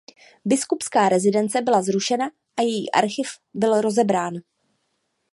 Biskupská rezidence byla zrušena a její archiv byl rozebrán.